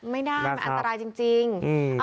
ไม่ได้มันอันตรายจริง